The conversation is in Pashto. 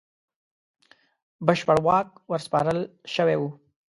بشپړ واک ورسپارل شوی وو.